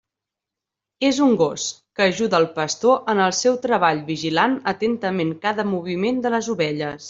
És un gos, que ajuda el pastor en el seu treball vigilant atentament cada moviment de les ovelles.